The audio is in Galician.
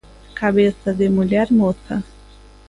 Cabeza de muller moza.